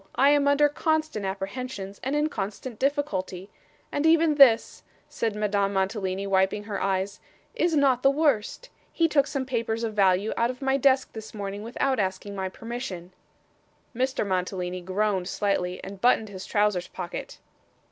I am under constant apprehensions, and in constant difficulty. And even this,' said Madame Mantalini, wiping her eyes, 'is not the worst. He took some papers of value out of my desk this morning without asking my permission.' Mr. Mantalini groaned slightly, and buttoned his trousers pocket.